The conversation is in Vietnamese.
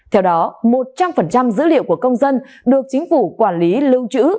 theo đó một trăm linh dữ liệu của công dân được chính phủ quản lý lưu trữ